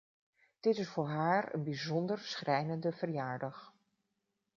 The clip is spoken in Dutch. Dit is voor haar een bijzonder schrijnende verjaardag.